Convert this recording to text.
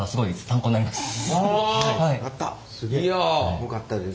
よかったです。